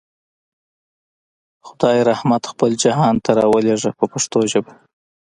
خدای رحمت خپل جهان ته راولېږه په پښتو ژبه.